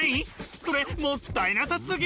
それもったいなさすぎ！